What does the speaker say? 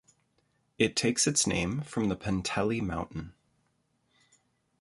It takes its name from the Penteli mountain.